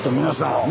皆さん！